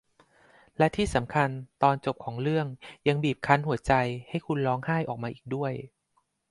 และที่สำคัญตอนจบของเรื่องยังบีบหัวใจให้คุณร้องไห้ออกมาอีกด้วย